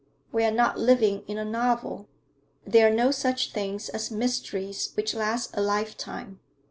We are not living in a novel; there are no such things as mysteries which last a lifetime.